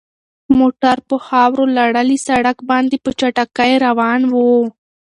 موټر په خاورو لړلي سړک باندې په چټکۍ روان و.